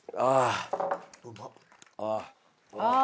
ああ。